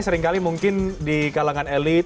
seringkali mungkin di kalangan elit